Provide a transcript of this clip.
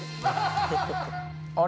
あれ？